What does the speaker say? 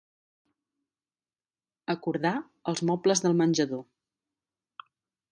Acordar els mobles del menjador.